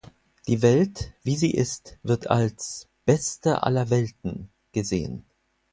Die Welt, wie sie ist, wird als "beste aller Welten" gesehen.